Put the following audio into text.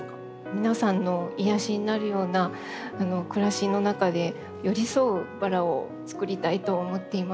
皆さんの癒やしになるような暮らしの中で寄り添うバラをつくりたいと思っています。